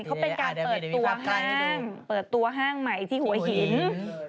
เขาเป็นการเปิดตัวห้างใหม่ที่หัวหิน